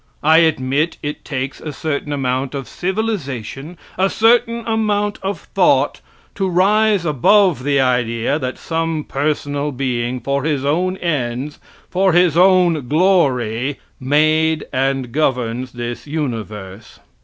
I admit it takes a certain amount of civilization, a certain amount of thought, to rise above the idea that some personal being, for his own ends, for his own glory, made and governs this universe.